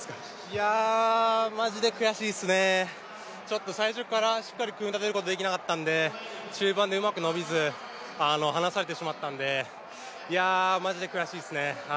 いやマジで悔しいですね、最初からしっかり組み立てることができなかったので、中盤でうまく伸びず離されてしまったので、マジで悔しいですね。